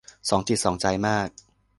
สองจิตใจสองใจมาก